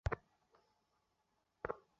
বিশ্বাস বলতে আসলে কী বোঝায়?